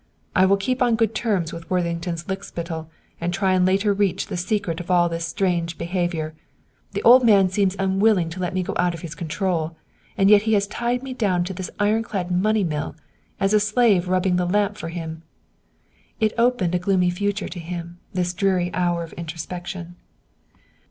I will keep on good terms with Worthington's lickspittle and try and later reach the secret of all this strange behavior. The old man seems unwilling to let me go out of his control, and yet he has tied me down to this ironclad money mill as a slave rubbing the lamp for him." It opened a gloomy future to him, this dreary hour of introspection.